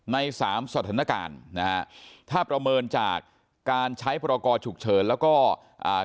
ในสามสถานการณ์นะฮะถ้าประเมินจากการใช้พรกรฉุกเฉินแล้วก็อ่า